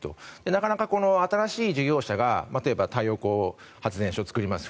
なかなか新しい事業者が例えば太陽光発電所を作ります